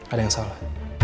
ada yang salah